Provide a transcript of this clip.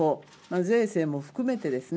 税制も含めてですね